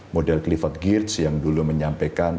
model clivate girds yang dulu menyampaikan